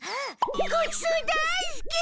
ごちそうだいすき！